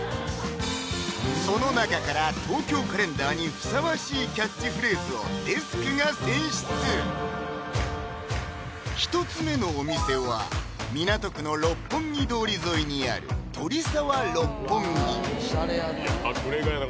その中から「東京カレンダー」にふさわしいキャッチフレーズをデスクが選出１つ目のお店は港区の六本木通り沿いにあるオシャレやな隠れ家やな